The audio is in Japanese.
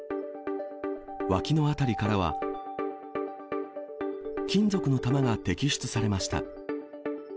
わきの辺りからは、金属の弾が摘出されました。